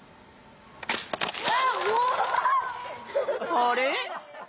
あれ？